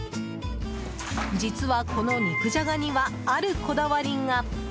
実は、この肉じゃがにはあるこだわりが。